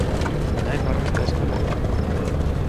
Näin varmistaisimme voiton.